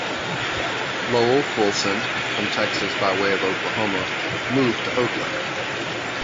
Lowell Fulson, from Texas by way of Oklahoma, moved to Oakland.